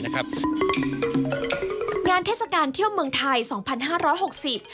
งานเทศกาลเที่ยวเมืองไทย๒๕๖๐